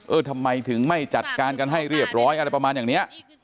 ทำไมถึงไม่จัดการกันให้เรียบร้อยอะไรประมาณอย่างนี้